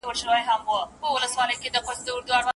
تاسو باید په خپل ژوند کې د بریا لپاره هدف ولرئ.